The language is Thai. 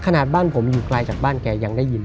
ขนาดบ้านผมอยู่ไกลจากบ้านแกยังได้ยิน